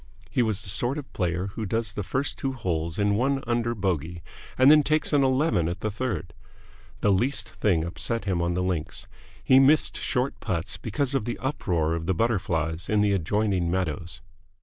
He was the sort of player who does the first two holes in one under bogey and then takes an eleven at the third. The least thing upset him on the links. He missed short putts because of the uproar of the butterflies in the adjoining meadows.